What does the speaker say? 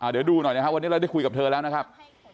เดี๋ยวดูหน่อยนะครับวันนี้เราได้คุยกับเธอแล้วนะครับ